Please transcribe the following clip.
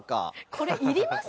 これいります？